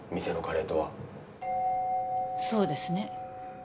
店のカレーとはそうですね